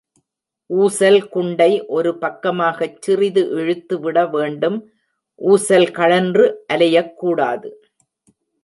ஊசல் குண்டை ஒரு பக்கமாகச் சிறிது இழுத்து விட வேண்டும் ஊசல் கழன்று அலையக் கூடாது.